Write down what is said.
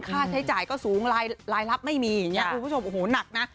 ค่าใช้จ่ายก็สูงรายลับไม่มีอย่างนี้คุณผู้ชมโอ้โหหนักนะ